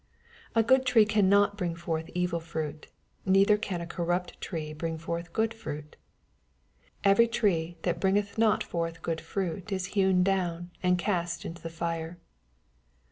18 A ffood tree cannot bring forth evil ttuMf neither ean a oorrapt tree bring forth good fruit. 19 Every tree thai bringeth ndl forth good frait is hewn down, and ca^t into the Are.